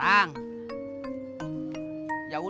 maaf ya mas pur